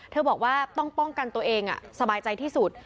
บอกว่าต้องป้องกันตัวเองสบายใจที่สุด